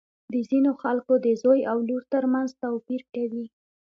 د ځینو خلکو د زوی او لور تر منځ توپیر کوي.